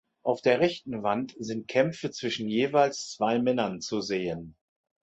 Auf der rechten Wand sind Kämpfe zwischen jeweils zwei Männern zu sehen.